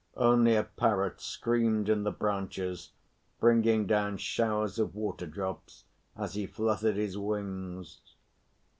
Only a parrot screamed in the branches, bringing down showers of water drops as he fluttered his wings.